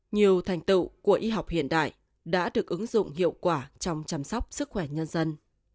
nhiều thành tựu của y học hiện đại đã được ứng dụng hiệu quả trong chăm sóc sức khỏe nhân dân